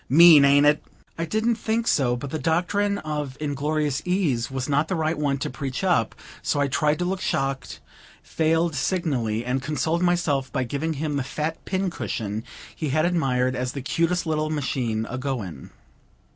Mean, ain't it?" I didn't think so, but the doctrine of inglorious ease was not the right one to preach up, so I tried to look shocked, failed signally, and consoled myself by giving him the fat pincushion he had admired as the "cutest little machine agoin."